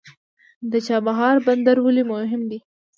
د چابهار بندر ولې مهم دی؟